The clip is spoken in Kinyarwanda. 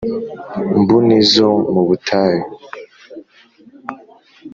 mbuni zo mu butayu.